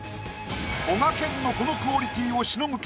こがけんのこのクオリティーをしのぐ